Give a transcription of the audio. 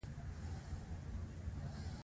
رومیان له کور جوړو سره ښکلي ښکاري